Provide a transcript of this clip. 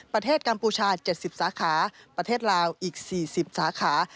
กัมพูชา๗๐สาขาประเทศลาวอีก๔๐สาขา